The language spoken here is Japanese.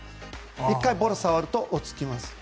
１回、ボールを触ると落ち着きます。